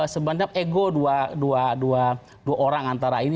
sebenarnya ego dua orang antara ini